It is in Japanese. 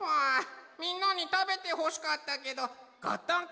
みんなにたべてほしかったけどゴットン